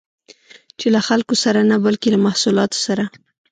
چې له خلکو سره نه، بلکې له محصولات سره